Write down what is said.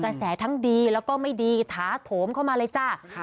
แสทั้งดีแล้วก็ไม่ดีถาโถมเข้ามาเลยจ้า